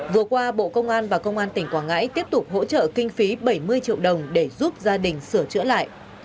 vừa qua bộ công an và công an tỉnh quảng ngãi tiếp tục hỗ trợ kinh phí bảy mươi triệu đồng để giúp gia đình sửa chữa lại